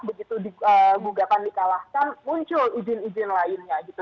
begitu gugatan dikalahkan muncul izin izin lainnya gitu